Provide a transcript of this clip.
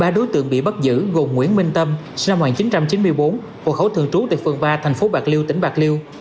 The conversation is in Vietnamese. ba đối tượng bị bắt giữ gồm nguyễn minh tâm sinh năm một nghìn chín trăm chín mươi bốn hộ khẩu thường trú tại phường ba thành phố bạc liêu tỉnh bạc liêu